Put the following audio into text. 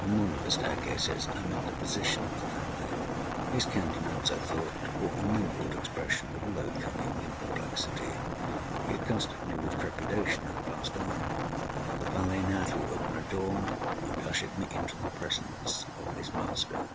On one of the staircases, I met the physician of the family. His countenance, I thought, wore a mingled expression of low cunning and perplexity. He accosted me with trepidation and passed on. The valet now threw open a door and ushered me into the presence of his master.